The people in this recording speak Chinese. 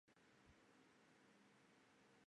阿河最终在格拉沃利讷注入北海。